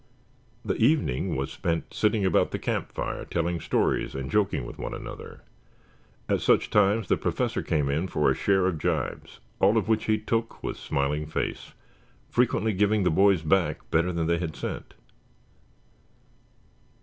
The evening was spent sitting about the campfire telling stories and joking with one another. At such times the Professor came in for a share of jibes, all of which he took with smiling face, frequently giving the boys back better than they had sent.